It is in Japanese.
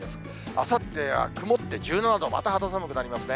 あさっては曇って１７度、また肌寒くなりますね。